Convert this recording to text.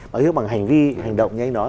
báo hiệu bằng hành vi hành động như anh nói